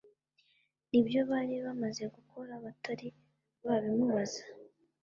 nibyo bari bamaze gukora batari babimubaza